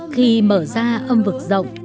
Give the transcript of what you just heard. khi mở ra âm vực rộng